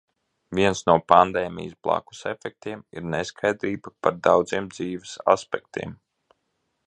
Viens no pandēmijas "blakusefektiem" ir neskaidrība par daudziem dzīves aspektiem.